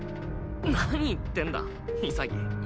何言ってんだ潔。